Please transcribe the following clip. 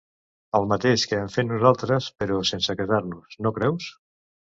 El mateix que hem fet nosaltres, però sense casar-nos, no creus?